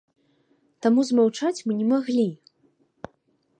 Таму змаўчаць мы не маглі.